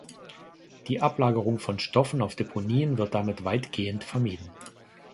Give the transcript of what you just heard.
Die Ablagerung von Stoffen auf Deponien wird damit weitgehend vermieden.